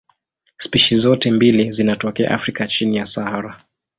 Spishi zote mbili zinatokea Afrika chini ya Sahara.